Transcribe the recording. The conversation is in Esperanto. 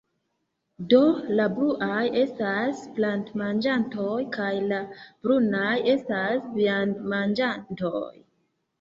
Do, la bluaj estas plantmanĝantoj, kaj la brunaj estas viandmanĝantoj.